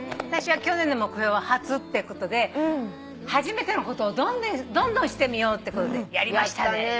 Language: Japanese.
私は去年の目標は「初」ってことで初めてのことをどんどんしてみようってことでやりましたね。